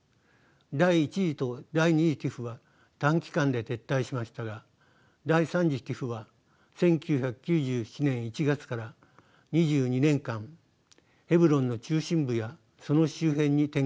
第１次と第２次ＴＩＰＨは短期間で撤退しましたが第３次ＴＩＰＨは１９９７年１月から２２年間ヘブロンの中心部やその周辺に展開しました。